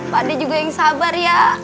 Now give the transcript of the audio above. pak d juga yang sabar ya